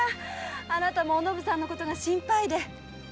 あなたもおのぶさんのことが心配で。